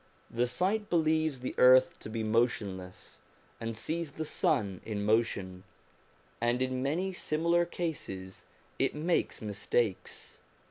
The sight believes the earth to be motionless, and sees the sun in motion, and in many similar cases it makes mistakes.